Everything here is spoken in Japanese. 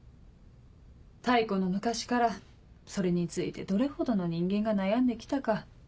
太古の昔からそれについてどれほどの人間が悩んで来たか。